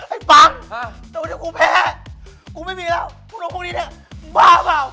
ไอ้ปั๊กถ้าวันนี้กูแพ้กูไม่มีแล้วพรุ่งนี้เนี่ยบ้าเปล่า